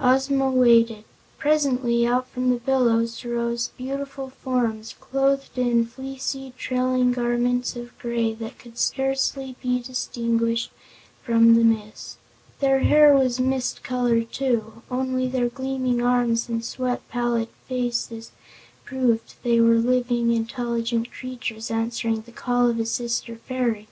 Ozma waited. Presently out from the billows rose beautiful forms, clothed in fleecy, trailing garments of gray that could scarcely be distinguished from the mist. Their hair was mist color, too; only their gleaming arms and sweet, pallid faces proved they were living, intelligent creatures answering the call of a sister fairy.